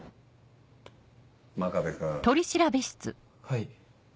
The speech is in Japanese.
はい。